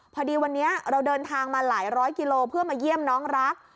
พอดีวันนี้เราเดินทางมาหลายร้อยกิโลเพื่อมาเยี่ยมน้องรัก